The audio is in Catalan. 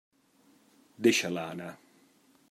Deixa-la anar.